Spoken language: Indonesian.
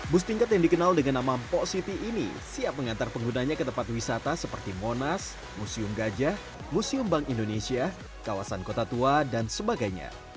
bus tingkat yang dikenal dengan nama mpok city ini siap mengantar penggunanya ke tempat wisata seperti monas museum gajah museum bank indonesia kawasan kota tua dan sebagainya